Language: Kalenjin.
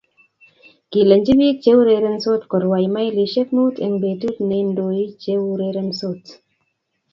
Kilenji biik cheurerensot korwai mailishek muut eng betut neindoi cheurerensot